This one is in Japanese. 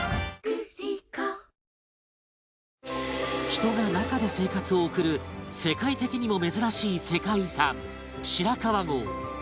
人が中で生活を送る世界的にも珍しい世界遺産白川郷